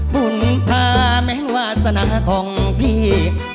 บุญพาแม่งวาสนาของพี่